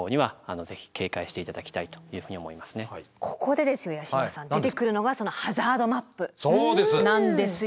これからここでですよ八嶋さん出てくるのがハザードマップなんですよ。